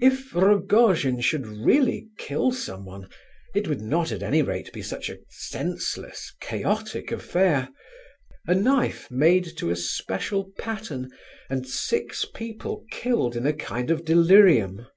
If Rogojin should really kill someone, it would not, at any rate, be such a senseless, chaotic affair. A knife made to a special pattern, and six people killed in a kind of delirium.